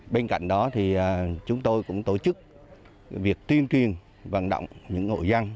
bên cạnh đó thì chúng tôi cũng tổ chức việc tuyên truyền vận động những hộ dân